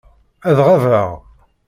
Ad ɣabeɣ.